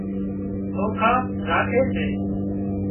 سوکا راکي سي